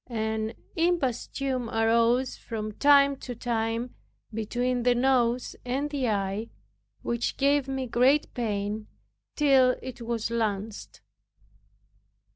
An imposthume arose from time to time between the nose and the eye, which gave me great pain till it was lanced.